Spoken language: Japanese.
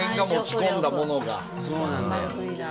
そうなんだよ。